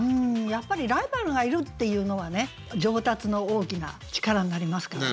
やっぱりライバルがいるっていうのはね上達の大きな力になりますからね。